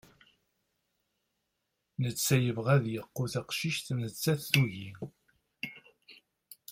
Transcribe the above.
netta yebɣa ad yeqqu taqcict nettat tugi